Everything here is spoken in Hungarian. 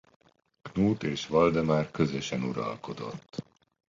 Knut és Valdemár közösen uralkodott.